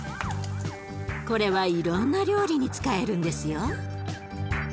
これはいろんな料理に使えるんですよ。